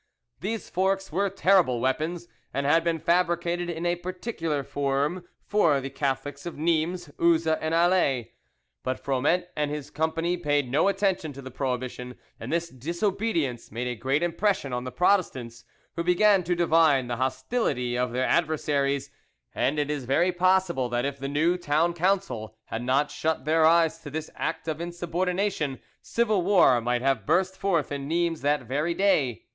These forks were terrible weapons, and had been fabricated in a particular form for the Catholics of Nimes, Uzes, and Alais. But Froment and his company paid no attention to the prohibition, and this disobedience made a great impression on the Protestants, who began to divine the hostility of their adversaries, and it is very possible that if the new Town Council had not shut their eyes to this act of insubordination, civil war might have burst forth in Nimes that very day.